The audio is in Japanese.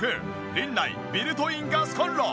リンナイビルトインガスコンロ。